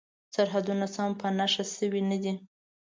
سرحدونه سم په نښه شوي نه دي.